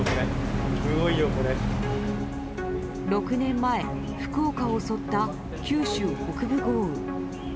６年前、福岡を襲った九州北部豪雨。